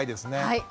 はい。